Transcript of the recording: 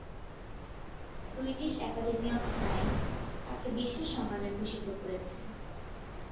Swedish Academy of Science তাকে বিশেষ সম্মানে ভূষিত করেছে।